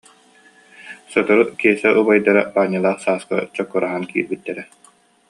Сотору Киэсэ убайдара Баанньалаах Сааска чок- кураһан киирбиттэрэ